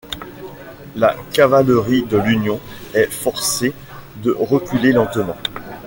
La cavalerie de l'Union est forcée de reculer lentement.